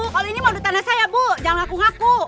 kalo ini mah udah tanah saya bu jangan ngaku ngaku